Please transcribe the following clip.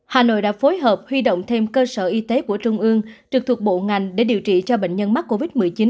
hà nội đã phối hợp huy động thêm cơ sở y tế của trung ương trực thuộc bộ ngành để điều trị cho bệnh nhân mắc covid một mươi chín